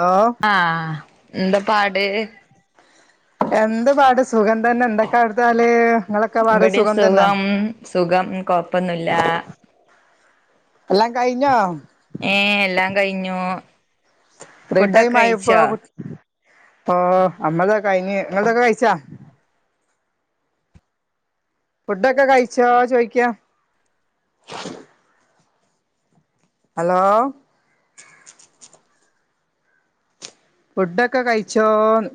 Hello ആഹ് എന്താ പാട് എന്ത് പാട് സുഖം തന്നെ എന്തൊക്കെ അടുത്താല് നിങ്ങളൊക്കെ പാട് സുഖം തന്നാ സുഖം കൊഴപ്പൊന്നില്ല എല്ലാം കഴിഞ്ഞോ ഏഹ് എല്ലാം കഴിഞ്ഞു ഫ്രീ ഫുഡൊക്കെ ടൈമായിപ്പോ കഴിച്ചോ അമ്മളൊെ കഴിഞ്ഞ് ഇങ്ങതൊക്കെ കഴിച്ചാ ഫുഡൊക്കെ കഴിച്ചോ ചോയ്ക്ക ഹലോ ഫുഡൊക്കെ കഴിച്ചോന്ന്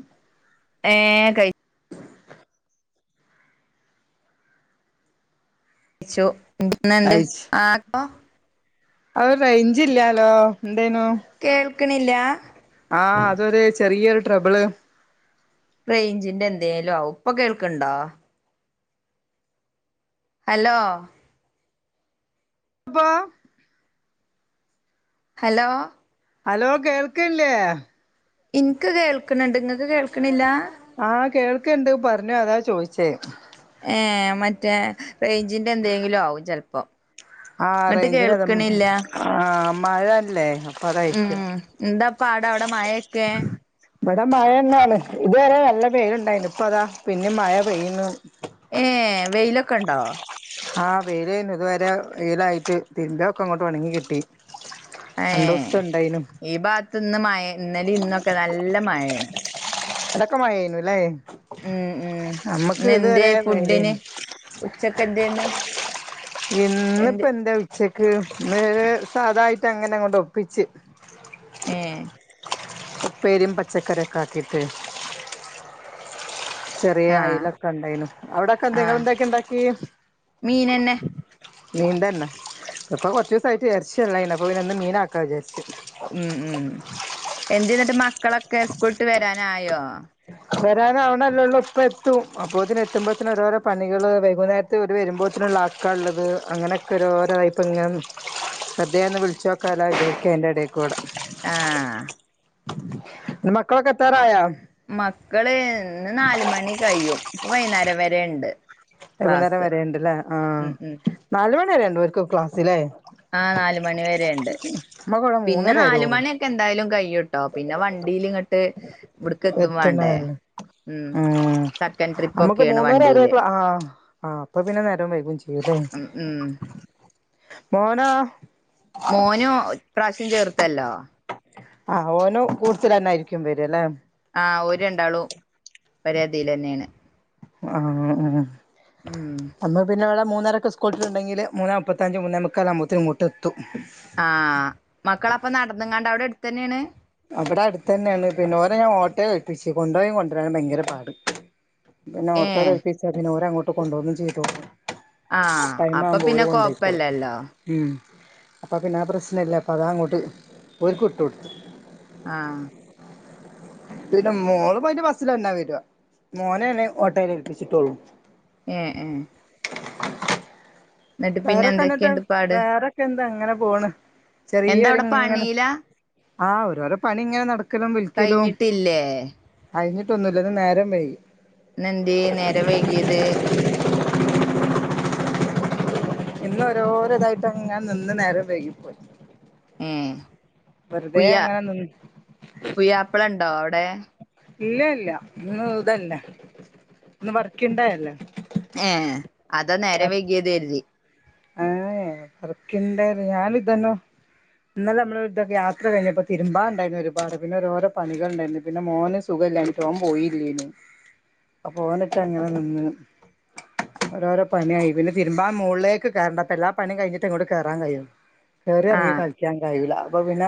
ഏഹ് കഴ് കൈച്ചു [unintelligible] അവർ റേഞ്ച് ഇല്ലാലോ എന്തേനു കേൾക്ണില്ല ആഹ് അതൊരു ചെറിയൊരു ട്രബിള് റേയിഞ്ചിന്റെ എന്തേലോ ആവും ഇപ്പോ കേൾക്കണ്ടോ ഹലോ അബ ഹലോ ഹലോ കേൾക്ല്ലേ ഇനിക്ക് കേൾക്ണ്ണ്ട് നിങ്ങൾക്ക് കേൾക്കണില്ല ആഹ് കേൾക്കണ്ട് പറഞ്ഞോ അതാ ചോയ്ച്ചേ ഏഹ് മറ്റേ റേഞ്ചിന്റെ എന്തെങ്കിലും ആകും ചെിലപ്പോ ആറേഞ്ചിന് അത ആ മഴല്ലേ അപ്പൊ ഉം അതായിരിക്കും എന്താ പാട അവിടെ മഴൊക്കെ ഇവിടെ മഴ എന്നാണ് ഇതുവരെ നല്ല പേരുണ്ടായിരുന്നു ഇപ്പ അതാ പിന്നെ മഴ പെയ്യുന്നു ഏഹ് വെയിലൊക്കെണ്ടോ ആഹ് വെയിലായിരുന്നു ഇതുവരെ വെയിലായിട്ട് തിരുമ്പൊക്കെ അങ്ങോട്ട് ഉണങ്ങി കിട്ടി ഏഹ് രണ്ടവസത്തെ ഉണ്ടായിനും ഈ ഭാഗത്ത് ഇന്ന് മഴ ഇന്നലിം ഇന്നൊക്കെ നല്ല മഴയാണ് ഇതൊക്കെ മഴയനുല്ലേ ഉം ഉം നമ്മുക്ക് ഇത്വരെ വെയ്ലെന്നു ഉച്ചക്കന്തെന്ന് ഇന്നിപ്പ എൻ്റെ ഉച്ചക്ക് വ സാദായിട്ട് അങ്ങനെ അങ്ങോട്ട ഒപ്പിച്ച് ഏഹ് ഉപ്പേരും പച്ചക്കറിയൊക്കെ ആക്കിയിട്ട് ചെറിയ ആഹ് അയലൊക്കെ ഉണ്ടായലും അവിടെൊക്കെ എന്തെങ്ക ആഹ് എന്തൊക്കെ ഉണ്ടാക്കി മീനന്നെ നീണ്ടന്നെ ഇപ്പൊ കൊറച്ച ദിവസ ആയിട്ട് ഇറച്ചിയല്ല ഇപ്പ ഇ ഒന്ന് മീന ആക്കാ ജസ്റ്റ് ഉം ഉം എന്തെ ന്നട്ട് മക്കളൊക്കെ സ്കൂളട്ട് വരാനായോ വരാനവണല്ലേള്ളൂ ഇപ്പ എത്തും അപ്പൊ ഇതിനെ എത്ത്പോത്തന്ന ഓരോരോ പണികള് വൈകുന്നേര ഒരു വരുമ്പോത്തിനുള്ള ആക്കാ ഉള്ളത് അങ്ങനെയൊക്കെരോരോപ്പ ഇ ശ്രദ്ന്ന് വിളിച്ച കല വിചാരിക്ക ഐന്റെയിടെകൂടെ ആഹ് മക്കളൊക്കെ എത്താറായ മക്കൾന്ന് നാല മണി കഴിയും ഇപ്പൊ വൈകുന്നേരം വരെണ്ട് വൈകുന്നേരം ക്ലാസ് വരുണ്ട്ല്ലേ ആ ഉം ഉം നാല മണി വരുണ്ട് അവർക്ക്ും ക്ലാസ്സിലേ ആഹ് നാലുമണി വരെണ്ട് നമ്മക്ക് ഇവിടെ പിന്നെ മൂന്നര വരെ നാല ഒള്ളൂ മണിയൊക്കെ എന്തായാലും കൈയ്യുട്ടോ പിന്നെ വണ്ടിൽ ഇവിടക്കത്തും വേണ്ടേ എത്ത്ണേള്ളൂ ഉം സെക്കൻഡ് നമ്മുക്ക് ട്രിപ്പൊക്കെയാണ് മൂന്നരം വണ്ടിയില് അരക്കള ആഹ് ആഹ് അപ്പൊ പിന്നെ നേരം വൈകും ചെയ്യതേ ഉം ഉം മോനാ മോനും ഇപ്രാവശ്യം ചേർത്തല്ലോ ആഹ് ഓനും കൂടുച്ചൽ തന്നായിരിക്കും വരു അല്ലെ ആഹ് ഓര് രണ്ടാളും ഒരേതിലെന്നെയാണ് ആഹ് ഉം ഉം നമ്മൾ പിന്നെവളെ മൂന്നരക്ക് സ്കൂള്ട്ടിട്ടണ്ടങ്കില് മൂന്നേ മുപ്പത്തഞ്ച് മൂന്നേ മുക്കാലാവുമ്പോത്തിന് ഇങ്ങട്ട് എത്തും ആഹ് മക്കള അപ്പൊ നടന്ന്ങ്ങാണ്ട് അവിടെ അടുത്തു തന്നെയാണ് ഇവിടെ അടുത്ത് തന്നെയാണ് പിന്നെ ഓരെ ഞാൻ ഓട്ടോയിൽ ഏൽപ്പിച്ച് കൊണ്ട്പോയും കൊണ്ടുവരാനും ഭയങ്കര പാട് പിന്നെ ഏഹ് ഓട്ടോലേൽപ്പിച്ചാ പിന്നെ ഓരങ്ങോട്ട് കൊണ്ടുപോകും ചെയ്തു ആഹ് ടൈം അപ്പൊ ആവുമ്പോ പിന്നെ ഓര് കൊണ്ടൊയ്‌ക്കോളും കൊഴപ്പല്ലല്ലോ ഉം അപ്പം പിന്നെ ആ പ്രശ്നല്ല അപ്പം അത അങ്ങോട്ട് ഓര്ക്ക് വിട്ട് കൊടുത്തു ആഹ് പിന്നെ മോള് പോയിട്ട് ബസിൽ തന്നാ വരുവാ മോനെയാണ് ഓട്ടേൽ ഏൽപ്പിച്ചിട്ടൊള്ളൂ ഏഹ് ഏഹ് എന്നിട്ട് പിന്നെ വേറെക്കെ എന്നിട്ട് എന്തൊക്കെയുണ്ട് പാട് വേറെക്കെ എന്താ ഇങ്ങനെ പോണ് എന്താ അവിടെ ചെറിയൊര്ങ്ങനെ പണിയിലാ ആഹ് ഒരോരോ പണി ഇങ്ങനെ നടക്കലും വിൽക്കലും കഴിഞ്ഞിട്ടില്ലേ കഴിഞ്ഞിട്ടൊന്നും ഇല്ല ഇന്ന് നേരം വൈകി ഇന്ന് എന്തിയേ നേരം വൈകിയത് ഇന്ന് ഓരോര ഇതായിട്ടങ്ങനെ നിന്ന് നേരം വൈകിപ്പോയി ഏഹ് വെറുതെ അങ്ങനെ നിന്ന് പുയ്യാപ്പിളണ്ടോ അവടെ ഇല്ല ഇല്ല ഇന്ന് ഇതല്ലേ ഇന്ന് വർക്കിങ് ഡേ അല്ലെ ഏ അതാ നേരം വൈകിയത് കരുതി ഏഹ് ഏ വർക്കിങ് ഡേ [unintelligible] ഞാനിതന്നോ ഇന്നലെ നമ്മള് ഇവിട്ത്തെ യാത്ര കഴിഞ്ഞപ്പോൾ തിരുമ്പാ ഉണ്ടായിരുന്നു ഒരുപാട് ഓരോരോ പണികൾണ്ടായിരുന്ന് പിന്നെ മോന് സു സുഖംല്ലാഞ്ഞിട്ട് ഓൻ പോയില്ലേനു അപോനൈട്ട് അങ്ങനെ നിന്ന് ഓരോരോ പണിയായി പിന്നെ തിരുമ്പാ മോളില് ക്ക് കേറണം അപ്പൊ എല്ലാ പണിയും കിഴിഞ്ഞിട്ട് ഇങ്ങോട്ട് കേറാൻ കഴിയൂ കയറി ഇറങ്ങി ആഹ് കളിക്കാൻ കഴിയില്ല അപ്പൊ പിന്നെ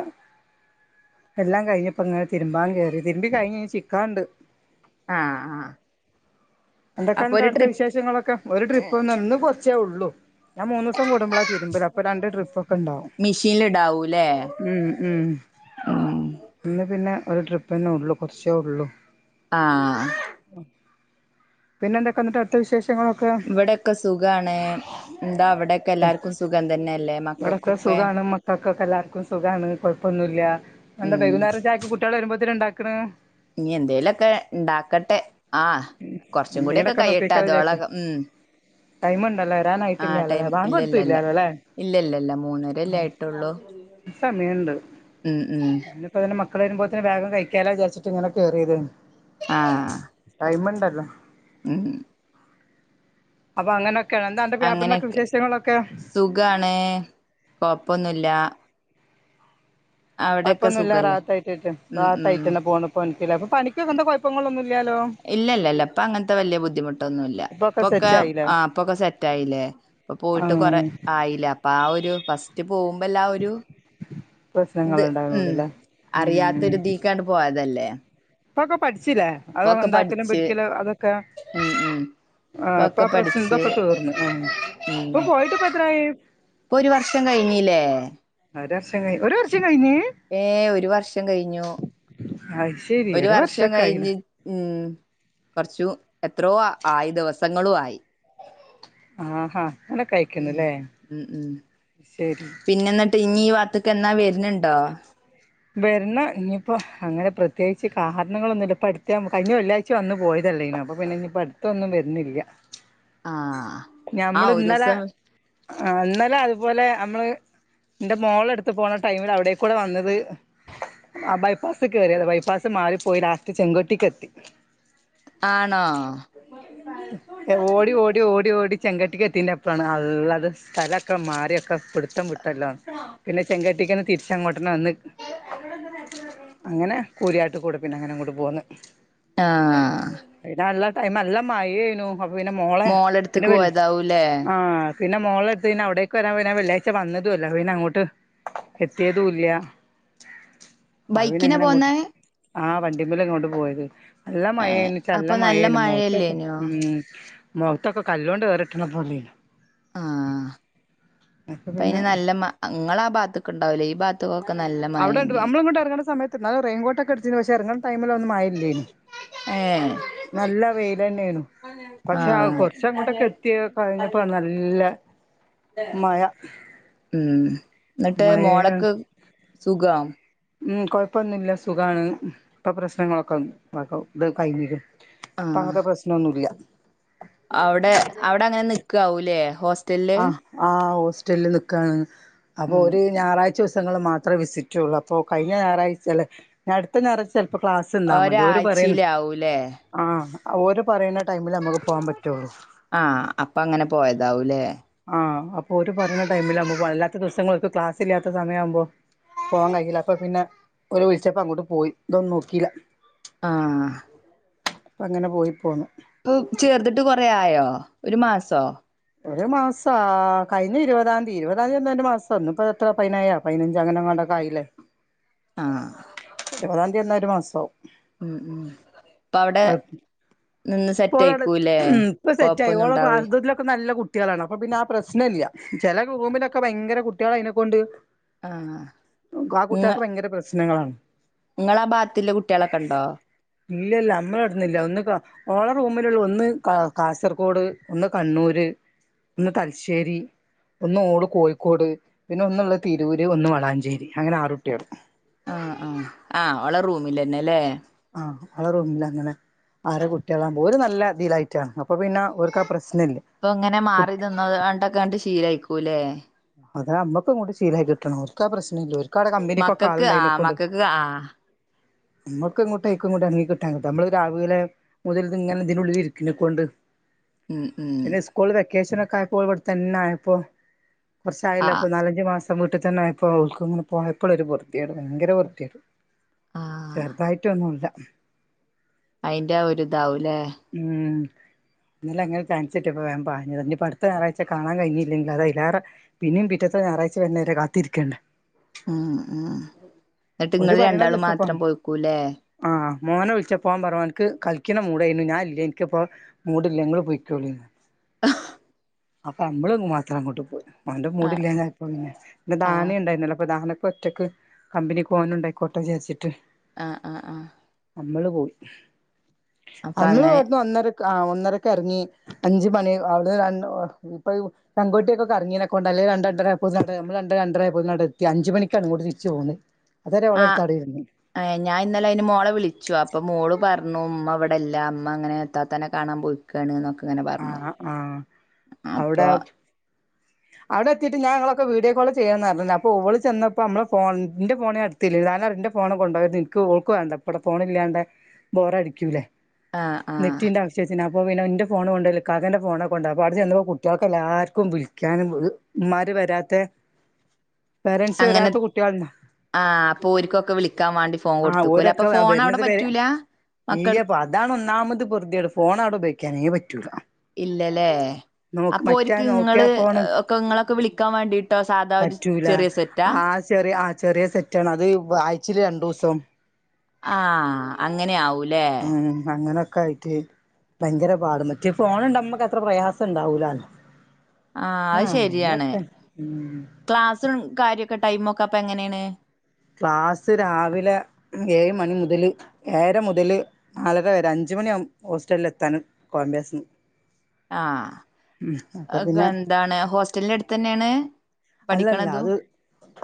എല്ലാം കഴിഞ്ഞപ്പോ ഇങ്ങനെ തിരുമ്പാൻ കേറി തിരുമ്പി കഴിഞ്ഞ് ഇനി ചിക്കാണ്ട് ആഹ് ആഹ് അപ്പൊ എന്തൊക്കാണ്ട് ഒരു അട്ത്ത ട്രിപ്പ് വിശേഷങ്ങളൊക്കെ ഒരു ട്രിപ്പ് ഇന്ന് കൊർച്ചേ ഒള്ളൂ ഞാൻ മൂന്നൂസം കൂടുമ്പളാ തിരുമ്പല് അപ്പൊ രണ്ട് ട്രിപ്പ് ഒക്കെ ഇണ്ടാവും മിഷീനിലിടാവൂല്ലേ ഉം ഉം ഉം ഇന്ന് പിന്നെ ഒരു ട്രിപ്പന്നെ ഒള്ളു കൊർച്ചേ ഒള്ളൂ ആഹ് പിന്നെ എന്തൊക്കെ എന്നിട്ട് അട്ത്ത വിശേഷങ്ങളൊക്കെ ഇവിടെക്കെ സുഖാണ് എന്താ അവിടെക്കെ എല്ലാർക്കും സുഖം തന്നെയല്ലേ മക്കൾക്കൊക്കെ ക്കൊക്കെ എല്ലാർക്കും സുഖാണ് കൊഴപ്പൊന്നുല്ല എന്താ ഉം വൈകുന്നേരം ചായക്ക് കുട്ടികള് വരുമ്പോത്ത്ന് ഉണ്ടാക്കണ് ഇനി എന്തേലൊക്കെ ഇണ്ടാക്കട്ടെ ആഹ് കൊർച്ചും കൂടിയൊക്കെ എന്തെങ്കിലൊക്കെ കൈയട്ടെ അതോള ഉം ടൈമ്ണ്ട് അല്ലേ വരാനായി ആ ടൈം ഇല്ലല്ലല്ല ഇല്ലല്ലല്ല മൂന്നര അല്ലേ ആയിട്ടുള്ളൂ സമയണ്ട് ഉം ഉം അപ്പ പിന്നെ മക്കള് വരുമ്പോത്തന് വേഗം കഴിക്കാലോ വിചാരിച്ചിട്ട് ഇങ്ങന കേറിയേതേന്നു ആഹ് ടൈമ് ഉണ്ടല്ലോ. ഉം അപ്പൊ അങ്ങനൊക്കെയാണ് എന്താ അന്റെ പുയ്യാപ്ലന്റെ ഒക്കെ അങ്ങനെയൊക്കെ വിശേഷങ്ങളൊക്കെ? സുഖാണ് കൊഴപ്പൊന്നുല്ലാ. കൊഴപ്പന്നുല്ല സുഖല്ലേ റാഹത്താ ആയിട്ടറ്റേ ഉം ഉം റാഹതായിട്ടന്നേ പോണ് പ്പൊൻക്ക് ലേ പണിക്ക് എന്താ കൊഴപ്പങ്ങളൊന്നും ഇല്ലാലോ? ഇല്ലല്ലല്ല ഇപ്പ അങ്ങൻത്തെ വല്ല്യയ ബുദ്ധിമുട്ടൊന്നുല്ല ഇപ്പൊക്കെ സെറ്റ് ആയില്ലേ ആഹ് പ്പൊക്കെ സെറ്റ് ആയില്ലേ. പ്പൊ പോയിട്ട് കൊറെ ആഹ് ആയിലേ അപ്പൊ ആ ഒരു ഫസ്റ്റ് പോകുമ്പല്ല ആ ഒരു പ്രശ്നങ്ങൾ ഇത് ഉം ഉണ്ടാവുന്നുള്ളൂല്ലേ ഉം അറിയാത്തരുതീക്കാണ്ട് പോയതല്ലേ. ഇപ്പൊക്കെ പഠിച്ചില്ലേ അതൊ ഇപ്പൊക്കെ ണ്ടാക്കലും പഠിച്ച് പിടിക്കലും അതൊക്കെ. ഉം ഉം ആഹ് ഇപ്പൊ ഇപ്പൊക്കെ ആ പഠിച്ച് പ്രസിന്തൊക്കെ തീർന്ന് ആഹ് ഇപ്പൊ പോയിട്ട് ഇപ്പ എത്രായി? പ്പൊ ഒരു വർഷം കഴിഞീല്ലേ? ഒര് വർഷം കഴി ഒരു വർഷം കഴിഞ്ഞ്. ഏഹ് ഒരു വർഷം കയ്ഞ്ഞു. ആയ്ഷ് ഒരു വർഷം കഴിഞ്ഞ് ഉം കൊർച്ചു എത്രോ അ ആയി ദിവസങ്ങളും ആയി. ആഹാ ങ്ങനെ ഉം കഴിക്കുന്നുല്ലേ ശരി. ട്ടിന്നീ ഈ വാക്ക്ത്ത്ക്കന്നേ വര്ന്ണ്ടോ? വര്ണ് ഇനിയിപ്പോ അങ്ങനെ പ്രത്യേകിച്ച് കാര്ണങ്ങളൊന്നുല്ല ഇപ്പ അട്ത്ത് കഴിഞ്ഞ വെള്ളി ചു വന്ന് പോയതല്ലേനോ അപ്പൊ പിന്നെ ഇനിയിപ്പ അട്ത്തൊന്നും വര്നില്ല. ആഹ് ആ ഞമ്മള് ന്നലെ ഒരുസം ആ ഇന്നലെ അതുപോലെ അമ്മള് ന്റെ മോള അട്ത്ത് പോണ ടൈമില് അവടേക്കൂടെ വന്നത് ആഹ് ബൈപ്പാസ് കേറിയതാ ബൈപ്പാസ് മാറിപ്പോയി ലാസ്റ്റ് ചെങ്കോട്ടിക്ക് എത്തി. ആണോ? ഓടി ഓടി ഓടി ഓടി ചെങ്കട്ടികത്തീന്റെ അപ്രാണ് ആ ള്ളത്. സ്ഥലൊക്കെ മാറിയൊക്കെ പിട്ത്തം വ്ട്ടല്ലോ പിന്നെ ചെങ്കട്ടിക്കന്നെ തിരിച്ചങ്ങോട്ടന്നെ വന്ന് ഏഹ് അന്നോട് എന്താ നേര്ത്തെ പർഞ് അങ്ങനെ കൂരിയാട്ട് കൂടെ പിന്നെ അങ്ങനെ അങ്ങോട്ട് പോന്ന്. ട്ടാഹ് ഇതല്ല ടൈമല്ല മഴയ്നൂ അപ്പൊ പിന്നെ മോള പിന്നെ മോളടുത്ത്ക്ക് വൽ പോയതാവൂല്ലേ ആഹ്. പിന്നെ മോളെട്ത്ത് പിന്നെ അവിടേക്ക് വരാ വരാ വെള്ളിയാഴ്ച വന്നതും അല്ലെ പിന്നെ അങ്ങോട്ട് എത്യാതുല്ല്യ. അവ് പിന്നെ ബൈക്കിനാ അങ്ങനെ അങ്ങോട്ട് പോന്നേ ആ വണ്ടിമലങ്ങോട്ട് പോയത്. നല്ല ഏഹ് മഴേനിച്ചല്ല അപ്പൊ നല്ല മഴേന്പ്പൊ. മഴയല്ലേനോ ഉം മോഖത്തൊക്കെ കല്ലോണ്ട് ഏറ്‌ട്ട്ണ പോലേ. ആഹ് അപ്പൊ അപ്പ പിന്നെ അയ്ന് നല്ല മ അങ്ങളാ ആ ഭാഗ്ത്ത്ക്ക് ഉണ്ടാവ് ലേ ഈ ഭാ ത്കൊക്കേ നല്ലം അവടെണ്ട് നമ്മള് അങ്ങോട്ട് എറങ്ങ്ണ സമയത്ത് അ റെയിൻകോട്ടൊക്കെ എട്ത്തീനു പക്ഷെ എറങ്ങാൻ ടൈമിലൊന്നും മയ ഇല്ലേയ്നും. ഏഹ് നല്ല വെയ്ലെന്നേനു. പക്ഷെ കൊർച്ചങ്ങോട്ടൊക്കെ എത്തിയ കഴിഞ്ഞപ്പോ ആഹ് നല്ല മഴ ഉം ന്ന്ട്ട് മഴയാ മോളക്ക് സുഖം. ഉം കൊഴപ്പൊന്നുല്ല സുഖാണ് ഇപ്പൊ പ്രശ്നങ്ങളൊക്കെ ഇത് കഴിഞ്ഞ്ക്ണ്. ഇപ്പ അങ്ങൻത്തെ പ്രശ്നൊന്നുല്ല അവടെ അവടെ അങ്ങനെ നിക്കാവൂല്ലേ ഹോസ് അഹ് ആഹ് ഹോസ്റ്റലിൽ നിക്കാണ് അപ്പൊ ഉം ഓര് ഞാറാ ച സങ്ങൾ മാത്രേ വിസിറ്റള്ളൂ അപ്പോ കഴിഞ്ഞ ഞായാഴ്ചയല്ലേ ഞട ത്ത ഞാറാഴ്ച ചെൽപ്പോ ക്ലാസ് ഇണ്ടാ മതി ഓരു പറയു ഒരാഴ്ചയിലാവൂലേ ആഹ് ഓര് പറയ്ണ ടൈമിൽ നമുക്ക് പോകാൻ പറ്റുള്ളൂ ആഹ് അപ്പൊ അങ്ങനെ പോയതാവൂല്ലേ ആഹ് അപ്പൊ ഓര് പറയ്ണ ടൈമിലാവുമ്പ വല്ലാത്ത ദിവസങ്ങക്ക് ക്ലാസ് ഇല്ലാത്ത സമയാവുമ്പോ പോവാാൻ കഴിയില്ല അപ്പൊ പിന്നെ ഓല് വിളിച്ചപ്പ അങ്ങോട്ട് പോയി ഇതൊന്നും നോക്കിയില്ല ആഹ് അപ്പ അങ്ങനെ പോയി പോന്നു ചേർന്നിട് കൊറ ആയോ ഒരു മാസോ ഒരു മാസം കഴിഞ്ഞ ഇരുപതാംയതി ഇരുപതാംയതി തന്ന മാസം ഒന്ന ഇപ്പ എത്ര പതിനനായ പതിനഞ്ച് അങ്ങനങ്ങ കൊണ്ടൊക്കെയില്ലേ ആഹ് ഇരുപതാം തീയതി എന്ന ഒരു മാസവും ഉം ഉം ഇപ്പ അവിടെ നിന്ന് സെറ്റ് ഇപ്പോള ആയിക്കൂല്ലേ ഇപ്പൊ സെറ്റയി കൊഴപ്പൊന്നും ഉണ്ടാവൂ ഓളക്സത്തിലൊക്കെ നല്ല കുട്ടി കുട്ടികളാണ് അപ്പൊ പിന്നെ ആഹ് പ്രശ്നംമല്ല ചില റൂമിലൊക്കെ ഭയങ്കര കുട്ടികള അതിനെക്കൊണ്ട് ആഹ് ആഹ് കുട്ടികക്ക് ഭയങ്കര പ്രശ്നങ്ങളാണ് നിങ്ങള ആഹ് ഭാഗത്തി കുട്ടികളൊക്കെ ഉണ്ടോ ഇല്ല ഇല്ല നമ്മളടന്നില്ല ഒന്നക്ക ഓള റൂമിലുള്ള ഒന്ന് കാ കാസർകോഡ് ഒന്ന് കണ്ണൂർ ഒന്ന് തലശ്ശേരി ഒന്ന് ഓട് കോഴിക്കോട് പിന്നെ ഒന്നുള്ള തിരൂര് ഒന്ന് വളാഞ്ചേരി അങ്ങനെ ആറുട്ടിയാണ് ആഹ് ആഹ് ആഹ് ഓളെ റൂമില്ലന്നെ അല്ലേ ആഹ് ഓളെ റൂമിലെന്നെ ആറ് കുട്ടികളാക്പോ ഒരു നല്ല രതിലായിട്ടാണ് അപ്പൊ പിന്നെ അവർക്ക ആഹ് പ്രശ്നം ഇല്ല ഇപ്പൊ ഇങ്ങനെ മാറി നിന്ന കണ്ടൊക്കെ കണ്ട് ശീലമായിക്കൂല്ലേ അത നമ്മുക്കും ഇങ്ങോ ശീലായി കിട്ടണം ഒക്കാ പ്രശ്ന ഇല്ല ഒടെ കമ്പനിക്കൊ മക്കൾക്ക് കാലുണ്ട ആ അതിനെക്കൊണ്ട് മക്കൾക്ക് ആ നമ്മുക്ക എങ്ങോട്ടങ്ങട്ട നീ കിട്ടങ്ങട്ട നമ്മ രാവിലെ മുതൽ ഇങ്ങനെ ഇതിനുള്ള ഇരിക്കക്കൊണ്ട് ഉം ഉം പിന്നെ സ്കൂൾ വെക്കേഷന ഒക്കെപ്പോവിടു തന്നെ ആപ്പോ ആ കുറച്ചായല്ല അപ്പ നാലഞ്ച മാസം വീട്ടിൽ തന്നെപ്പോ ഉൾക്കങ്ങന പോയപ്പോഴ ഒരു വൃത്തിയടും ഭയങ്കര വൃത്തിയും ആ ചെറുതായിട്ടൊന്നുമല്ല അയിന്റെ ഒരുരിതാവുംല്ലെ ഉം ഇന്നല അങ്ങനെ ചാൻിച്ചട്ട്പ്പപ്പോ വാ പറഞ്ഞത്തിനി അടുത്ത ഞയറാഴ് കാണൻ കഴിഞ്ഞില്ലെങ്കോ അത് അല്ലാറെ പിന്നെയും പിറ്റത്തെ ഞായറാഴ്ച വയിന്നെരെ കാത്തിരിക്കണ്ടേ ഉം ഉം എന്നിട്ട് ഓര് ഇങ്ങള്ൾ പറയണ രണ്ടാള് ദിവസപ്പോ മാത്രം പോയിക്കൂല്ലേ ആഹ് മോനെ വിളിച്ച പോവാൻ പറഞ്ഞവാ എനിക്ക് കളിക്കണ മൂടായ്ഞാന ഇല്ലേ എനിക്കിപ്പോ മൂടില്ല ഇങ്ങള്ൾ പോയിക്കോളിന്ന് [unintelligible] അപ്പം നമ്മൾ മാത്ര ഇങ്ങോട് പൊന്ന് ഓന്റെ ആ മൂടില്ലാഞ്ഞാ ഇപ്പ പിന്നെ, പിന്നെ ആ ദാനെ ഇണ്ടായിന്നല്ലോ അപ്പൊ ദാനക്ക് ഒറ്റക്ക് കമ്പനി ക്കോനും ഉണ്ടായിക്കോട്ടെ വിചാര്ച്ചിട്ട് ആഹ് ആഹ് ആഹ് നമ്മള് പോയി. അപ്പൊ അന്ന് അങ്ങനെ [unintelligible] ഒന്നരക്ക് ആഹ് ഒന്നരക്കെറങ്ങി അഞ്ച് മണി അവ്ടെ രണ്ടോ ഇപ്പൊ ഇ പെങ്കുട്ടിയേക്കൊക്കെ അർങ്ങീനെ കൊണ്ടാ അല്ലേ രണ്ട് രണ്ടര ആയപ്പോത്തിന് അവടെ നമ്മൾ രണ്ട് രണ്ടരായപ്പോത്തിന് അവ്ടെ എത്തി അഞ്ച് മണിക്കാണ് ഇങ്ങോട്തിരിച്ചു പോന്നത്. അതരെ ഓളെട്ത്തടെ ഇര്ന്ന്. ഏഹ് ഞായിന്നലെ അയ്ന് മോളെ വിളിച്ചു അപ്പം മോള് പർണു ഉമ്മ ഇവിടെല്ല ഇമ്മ അങ്ങനെ ഇത്താത്താനെ കാണാൻ പോയി ക്കാണ് ന്നൊക്കെ ഇങ്ങനെ പർണു ആഹ് അപ്പൊ മ് ഓടെത്തീട്ട് ഞാ ഇങ്ങളൊക്കെ വീഡിയോ കോൾ ചെയ്യണം ന്നർഞ്ഞീന്നു അപ്പോള് ചെന്നപ്പം നമ്മളെ ഫോണ് ഇന്റെ ഫോണ് ഞാൻ ഇട് ത്തില്ലേര്ന്നു. ദാനറ്യാ ഇന്റെ ഫോണ് കൊണ്ടോവര്ത് ഇൻക്ക് ഓക്ക് വേണ്ട ഇപ്പടെ ഫോണ് ഇല്ല്യാണ്ടെ, ബോറടിക്ക്യൂലേ. ആഹ് ആ നെറ്റിന്റെ ആവശ്യത്തിന് അപ്പോ പിന്നെ ഇന്റെ ഫോൺ കൊണ്ടയ്ല്ല ഇക്കാക്കന്റെ ഫോണാ കൊണ്ടോവ. അപ്പൊ ആടെ ചെന്നപ്പോ കുട്ടിയേൾക്ക് എല്ലാര്ക്കും വിളിക്കാനും ഉമ്മാര് വെരാത്തെ പേരൻ്റ്സ് വരാത്ത കുട്ട്യേൾ ണ്ട ആഹ് അപ്പൊ ഓരിക്കൊക്കെ വിളിക്കാൻ വേണ്ടി ഫോൺ കൊടുത്തുക്കുല്ലേ. അപ്പൊ ഫോൺ അവ്ടെ പറ്റൂലാ? ഇല്ല അബതാണ് ഒന്നാമത് പൊറുത്യേട്, ഫോൺ അവ്ടെ ഉപയോഗിക്കാനേ പറ്റൂല. ഇല്ലല്ലേ നോക്ക് അപ്പൊ മറ്റാ ഓര്ക്ക് നോക്കിയ ഇങ്ങള് ഫോണ് ഒക്കെ ഇങ്ങളൊക്കെ വിളിക്കാൻ വേണ്ടിട്ടോ സാധാ ഒരു പറ്റൂല ചെറിയ സെറ്റാ. ആ ചെറിയ ആഹ് ചെറിയ സെറ്റാണ് അത് ആഴ്ചേല് രണ്ടൂസം. ആഹ് അങ്ങനെ ആവൂല്ലേ ഉം അങ്ങനൊക്കെ ആയി റ്റ് ഭയങ്കര പാട് മറ്റേ ഫോണുണ്ടാവുമ്പക്ക് അത്ര പ്രയാസണ്ടാവൂലാന്ന്. ആഹ് അത് [unintelligible] ശരിയാണ് ട്ടെ ഉം ക്ലാസ്സും കാര്യൊക്കെ ടൈമൊക്കെ അപ്പെങ്ങനേണ്? ക്ലാസ്സ് രാവിലെ ഏഴ് മണി മുതല് ഏഴര മുതൽ നാലര വരെ അഞ്ച് മണിയാകും ഹോസ്റ്റൽല് എത്താൻ കൊളംബിയാസിന്ന്. ആഹ് അപ്പൊ അഹ്ക്കെ പിന്നെ എന്താണ് ഹോസ്റ്റലിന്റടുത്തന്നേണ്? അല്ലല്ല അത്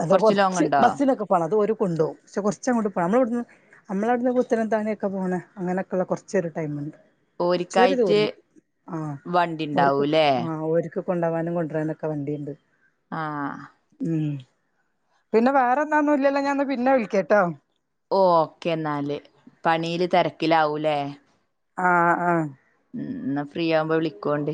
എന്ത ലോങ് കൊർച്ച് ഉണ്ടോ ബസ്സിലൊക്കെ പോണം. അത് ഓര് കൊണ്ടോവും പക്ഷെ കൊർച്ചങ്ങോട്ടു പോണം. നമ്മളവട്ന്ന് നമ്മളവട്ന്ന് പുത്തനതത്താണിയൊക്കെ പോണ അങ്ങനൊക്ക ള്ള കൊർച്ചൊരു ടൈമ്ണ്ട്. ച്ചൊരു ഓരിക്കായിട്ട് ദൂരണ്ട് ആഹ് വണ്ടി ഓര്ക്ക് ഉണ്ടാവൂല്ലേ ആഹ് ഓര്ക്ക് കൊണ്ടൊവാനും കൊണ്ട്രാനൊക്കെ വണ്ടിണ്ട്. ആഹ് ഉം പിന്നെ വേറെന്താ ഒന്നും ഇല്ല്യല്ലോ ഞാൻ ന്നാ പിന്നെ വിളിക്ക്യട്ടോ. ഓഹ് ഓക്കേ ന്നാല്. പണിയില് തെരക്കിലാവുല്ലേ. ആഹ് ആഹ്. ഉം ന്നാ ഫ്രീ ആവുമ്പം വിളിക്കോണ്ടി.